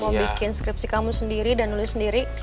mau bikin skripsi kamu sendiri dan nulis sendiri